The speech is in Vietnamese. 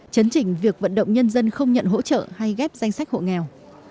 chấn trình việc vận động nhân dân không nhận hỗ trợ hay ghép danh sách hộ nghèo